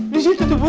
disitu tuh bu